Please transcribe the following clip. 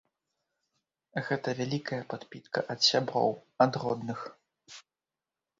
Гэта вялікая падпітка ад сяброў, ад родных.